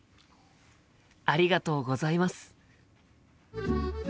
ありがとうございます。